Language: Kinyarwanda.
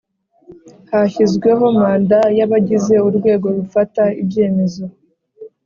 Hashyizweho manda y abagize urwego rufata ibyemezo